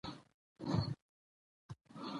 وګړي د افغانستان د طبعي سیسټم توازن په ښه توګه ساتي.